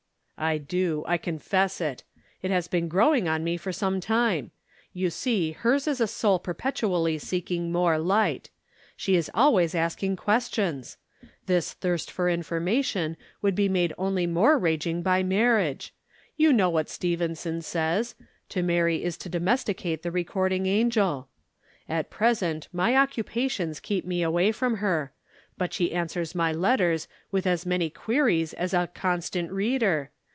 "I do. I confess it. It has been growing on me for some time. You see hers is a soul perpetually seeking more light. She is always asking questions. This thirst for information would be made only more raging by marriage. You know what Stevenson says: 'To marry is to domesticate the Recording Angel.' At present my occupations keep me away from her but she answers my letters with as many queries as a 'Constant Reader.'